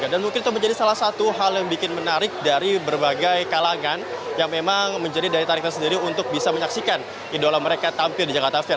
dan mungkin itu menjadi salah satu hal yang bikin menarik dari berbagai kalangan yang memang menjadi dari tarikan sendiri untuk bisa menyaksikan idola mereka tampil di jakarta fair